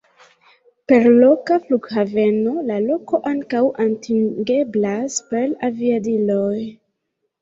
Per loka flughaveno la loko ankaŭ atingeblas per aviadiloj.